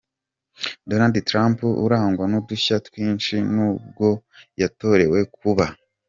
Donald Trump urangwa n’udushya twinshi n’ubwo yatorewe kuba.